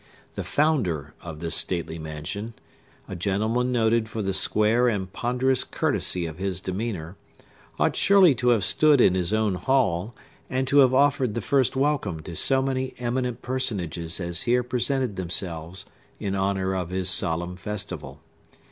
The founder of this stately mansion—a gentleman noted for the square and ponderous courtesy of his demeanor, ought surely to have stood in his own hall, and to have offered the first welcome to so many eminent personages as here presented themselves in honor of his solemn festival.